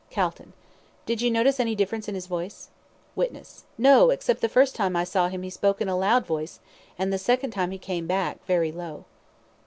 CALTON: Did you notice any difference in his voice? WITNESS: No; except that the first time I saw him he spoke in a loud voice, and the second time he came back, very low.